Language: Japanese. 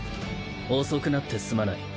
遅くなってすまない。